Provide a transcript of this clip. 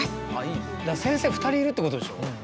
先生２人いるってことでしょ。